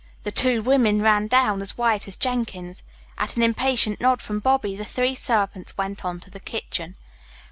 The two women ran down, as white as Jenkins. At an impatient nod from Bobby the three servants went on to the kitchen.